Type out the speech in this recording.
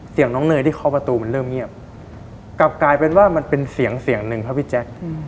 น้องเนยที่เคาะประตูมันเริ่มเงียบกลับกลายเป็นว่ามันเป็นเสียงเสียงหนึ่งครับพี่แจ๊ค